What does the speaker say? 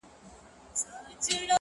ستا د ښار د ښایستونو په رنګ ـ رنګ یم!!